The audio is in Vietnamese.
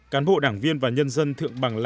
cán bộ đảng viên và nhân dân thượng bằng la